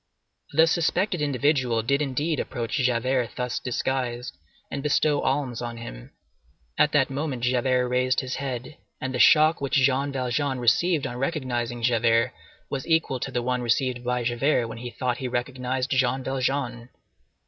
"The suspected individual" did indeed approach Javert thus disguised, and bestow alms on him. At that moment Javert raised his head, and the shock which Jean Valjean received on recognizing Javert was equal to the one received by Javert when he thought he recognized Jean Valjean.